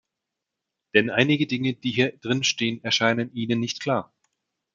Denn einige Dinge, die hier drinstehen, erscheinen Ihnen nicht klar.